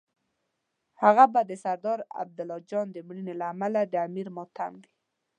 هغه به د سردار عبدالله جان د مړینې له امله د امیر ماتم وي.